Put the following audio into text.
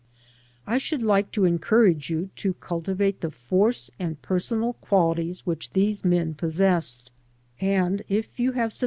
I should like to encourage you to cultivate the force and personal qualities which these men possessed, and if you have sufficient LANDSCAPE.